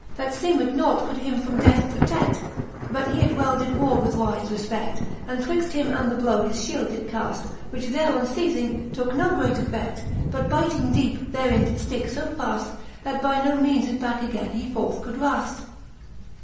That feemed nought could him from death protect:' But he it well did ward with wife refpect, And twixt him and the blow his fhield did caflr, Which thereon fei2dng, tooke no great effe6l:. But byting deepe therein did fticke fb faft, That by no meanes it backe againe he forth could wraft.